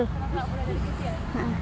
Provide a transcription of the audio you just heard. sepakbola dari kecil